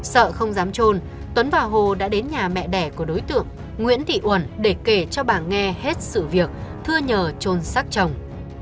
sợ không dám trôn tuấn và hồ đã đến nhà mẹ đẻ của đối tượng nguyễn thị uẩn để kể cho bà nghe hết sự việc thưa nhờ trôn xác chồng